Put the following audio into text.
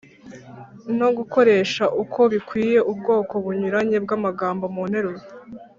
no gukoresha uko bikwiye ubwoko bunyuranye bw’amagambo mu nteruro.